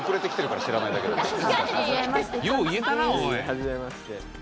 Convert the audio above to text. はじめまして。